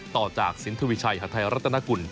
ต่อจากสินทรวิชัยฮัทไทยรัฐนกุล